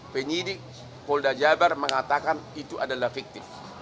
penyidik polda jabar mengatakan itu adalah fiktif